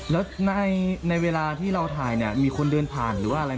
แล้วในเวลาที่เราถ่ายเนี่ยมีคนเดินผ่านหรือว่าอะไร